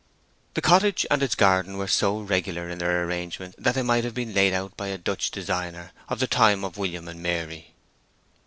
The cottage and its garden were so regular in their arrangement that they might have been laid out by a Dutch designer of the time of William and Mary.